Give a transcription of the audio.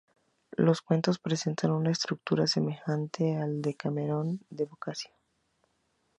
Los cuentos presentan una estructura semejante a "El Decamerón" de Boccaccio.